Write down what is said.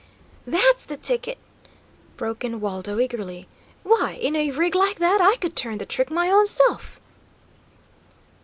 "That's the ticket!" broke in Waldo, eagerly. "Why, in a rig like that, I could turn the trick my own self!"